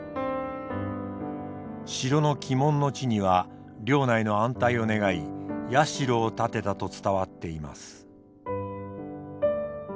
城の鬼門の地には領内の安泰を願い社を建てたと伝わっています。